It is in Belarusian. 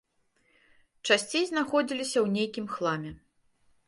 Часцей знаходзіліся ў нейкім хламе.